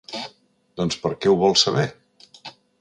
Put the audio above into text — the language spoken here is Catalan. Doncs per què ho vols saber?